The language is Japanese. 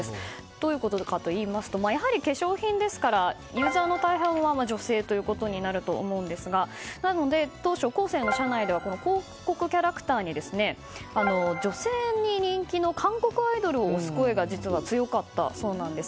どういうことかといいますとやはり化粧品ですからユーザーの大半は女性ということになるかと思うんですがなので、当初コーセーの社内では広告キャラクターに女性に人気の韓国アイドルを推す声が実は強かったそうなんです。